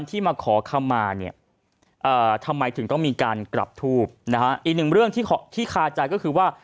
ทำไมถึงต้องมีการกลับทูปอีกหนึ่งเรื่องที่คาใจก็คือว่า